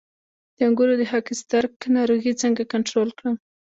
د انګورو د خاکسترک ناروغي څنګه کنټرول کړم؟